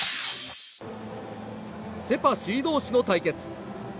セ・パ首位同士の対決。